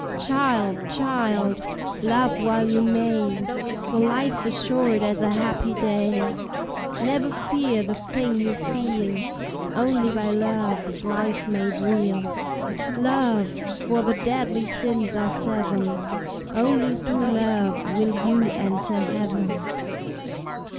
Child, child, love while you may, For life is short as a happy day; Never fear the thing you feel Only by love is life made real; Love, for the deadly sins are seven, Only through love will you enter heaven.